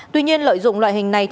tuy nhiên lợi dụng loại hình này